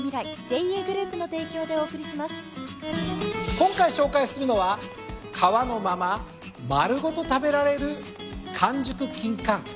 今回紹介するのは皮のまま丸ごと食べられる完熟きんかん。